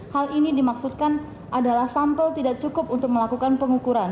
hal ini dimaksudkan adalah sampel tidak cukup untuk melakukan pengukuran